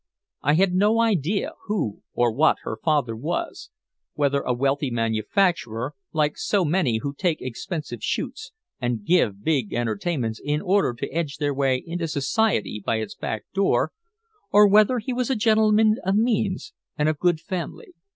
I had no idea who or what her father was whether a wealthy manufacturer, like so many who take expensive shoots and give big entertainments in order to edge their way into Society by its back door, or whether he was a gentleman of means and of good family.